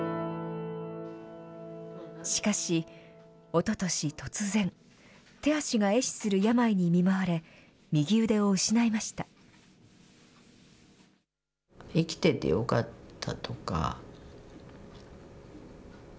しかし、おととし突然、手足がえ死する病に見舞われ、右腕を失いました。